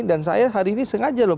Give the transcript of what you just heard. dan saya hari ini sengaja loh